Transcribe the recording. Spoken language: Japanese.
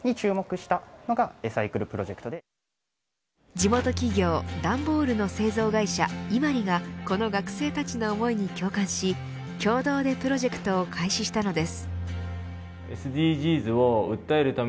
地元企業段ボールの製造会社ＩＭＡＲＩがこの学生たちの思いに共感し共同でプロジェクトを開始したのです。